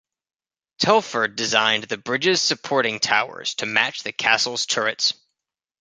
Telford designed the bridge's supporting towers to match the castle's turrets.